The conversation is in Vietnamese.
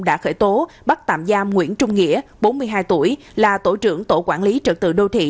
đã khởi tố bắt tạm giam nguyễn trung nghĩa bốn mươi hai tuổi là tổ trưởng tổ quản lý trật tự đô thị